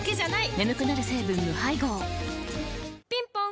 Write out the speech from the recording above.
眠くなる成分無配合ぴんぽん